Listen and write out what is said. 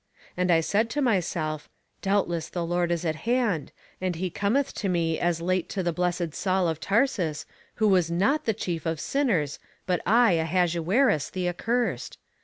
And I said to myself, Doubtless the Lord is at hand, and he cometh to me as late to the blessed Saul of Tarsus, who was NOT the chief of sinners, but I Ahasuerus, the accursed.